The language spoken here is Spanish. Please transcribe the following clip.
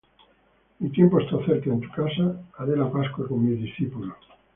Mi tiempo está cerca; en tu casa haré la pascua con mis discípulos.